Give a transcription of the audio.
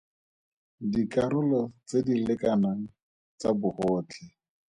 Dikarolo tse di lekanang tsa bogotlhe.